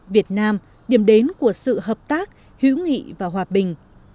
việt nam điểm đến của sự hợp tác hữu nghị và hòa bình